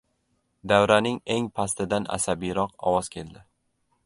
Davraning eng pastidan asabiyroq ovoz keldi.